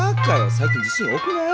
最近地震多くない？